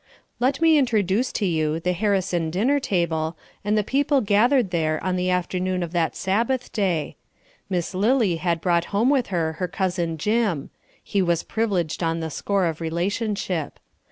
Let me introduce to you the Harrison dinner table, and the people gathered there on the afternoon of that Sabbath day. Miss Lily had brought home with her her cousin Jim; he was privileged on the score of relationship.